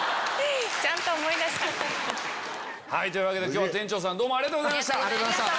今日は店長さんどうもありがとうございました！